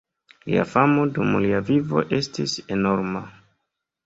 Lia famo dum lia vivo estis enorma.